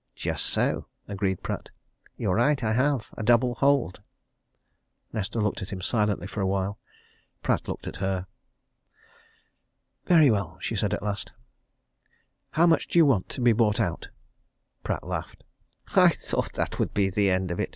"Just so," agreed Pratt. "You're right, I have a double hold." Nesta looked at him silently for a while: Pratt looked at her. "Very well," she said at last. "How much do you want to be bought out?" Pratt laughed. "I thought that would be the end of it!"